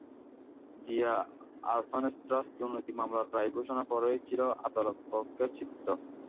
Zia orphanage trust দুর্নীতি মামলার রায় ঘোষণার পর এই ছিল আদালতকক্ষের চিত্র।